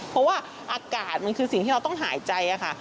เพราะว่าอากาศมันคือสิ่งที่เราต้องหายใจค่ะ